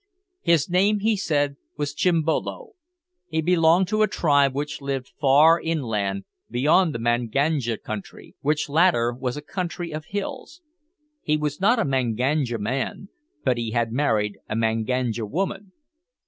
His name, he said, was Chimbolo. He belonged to a tribe which lived far inland, beyond the Manganja country, which latter was a country of hills. He was not a Manganja man, but he had married a Manganja woman.